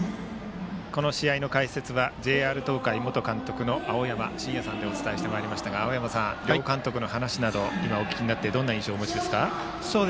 この試合の解説はＪＲ東海元監督の青山眞也さんでお伝えしてまいりましたが青山さん、両監督の話など今、お聞きになってどんな印象をお持ちですか？